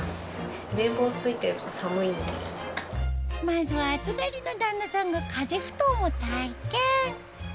まずは暑がりの旦那さんが風ふとんを体験